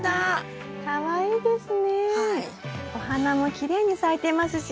お花もきれいに咲いてますし。